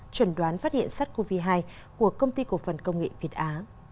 chuẩn đoán phát hiện sát covid hai của công ty cổ phần công nghệ việt á